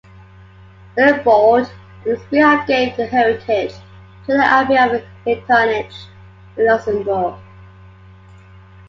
Wilibrord on his behalf gave the heritage to the Abbey of Echternach in Luxembourg.